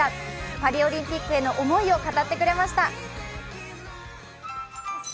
パリオリンピックへの思いを語ってくれましたスポ